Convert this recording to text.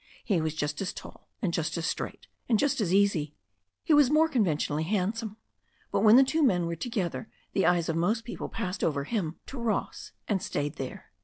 He was just as tall, and just as straight, and just as easy. He was more conventionally handsome. But when the two men were together the eyes of most people passed over him to Ross and stayed there.